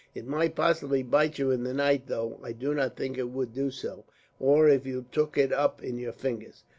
"It might possibly bite you in the night, though I do not think it would do so; or if you took it up in your fingers."